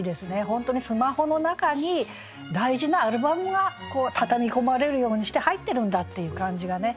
本当にスマホの中に大事なアルバムがたたみ込まれるようにして入ってるんだっていう感じがね。